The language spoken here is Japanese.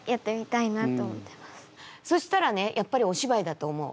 そしたらねやっぱりお芝居だと思う。